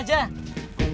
dengan satu hopes